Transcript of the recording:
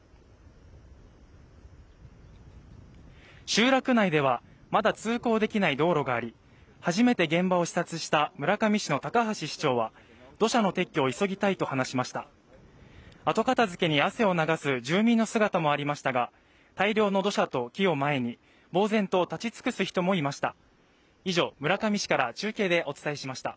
集落内ではまだ通行できない道路があり初めて現場を視察した村上市の高橋市長は土砂の撤去を急ぎたいと話しました後片付けに汗を流す住民の姿もありましたが大量の土砂と木を前に呆然と立ち尽くす人もいました